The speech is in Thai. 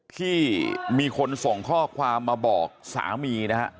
ที่มีคนส่งข้อความมาบอกสามีนะฮะ